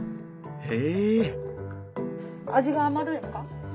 へえ！